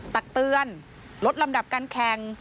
ตักเตือนลดลำดับการแข่ง